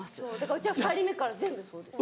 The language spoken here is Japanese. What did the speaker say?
うちは２人目から全部そうです。